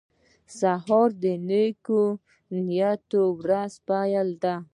سهار د نیکو نیتونو ورځې پیل دی.